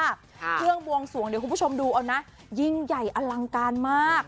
เครื่องบวงสวงเดี๋ยวคุณผู้ชมดูเอานะยิ่งใหญ่อลังการมาก